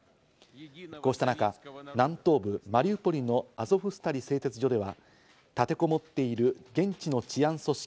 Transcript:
こうした中、南東部マリウポリのアゾフスタリ製鉄所では立てこもっている現地の治安組織